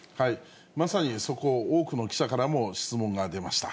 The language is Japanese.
まさにそこを多くの記者からも質問が出ました。